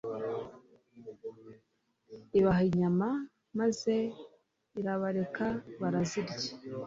ibaha inyama, maze irabareka barazirya